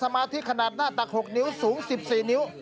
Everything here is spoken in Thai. มาที่ขนาดหน้าตัก๖นิ้วสูง๑๔นิ้ว